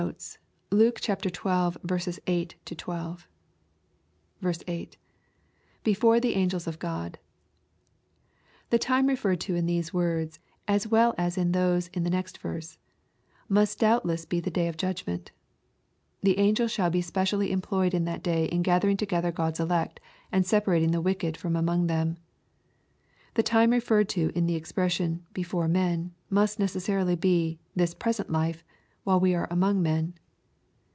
LUKE^ CHAP. XIL 69 LUKE Xn. 8—12. 6w— I Bfe/bre the angels of God] The tame referred to in these woida as well as in those in the next verse, must doubtless be the day of judgment The angels shall be specially employed in that day in gathering together Qod's elect^ and separating the wicked from among them. The time referred to in the expression, "before men/' must necessarily be, this present life, while we are among men.